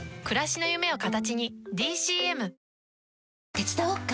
手伝おっか？